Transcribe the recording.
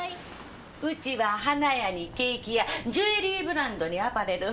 うちは花屋にケーキ屋ジュエリーブランドにアパレル。